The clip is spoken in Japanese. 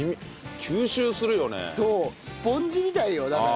スポンジみたいよだから。